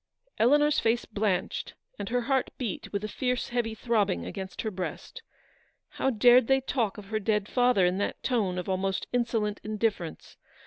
Eleanors face blanched, and her heart beat with a fierce heavy throbbing against her breast. How dared they talk of her dead father in that tone of almost insolent indifference.